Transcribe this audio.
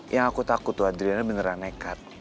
yang aku takut tuh adriana beneran nekat